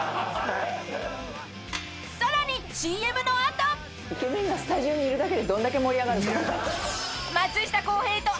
［さらに］イケメンがスタジオにいるだけでどんだけ盛り上がるか。